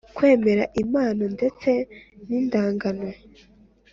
Kwemera impano ndetse n indagano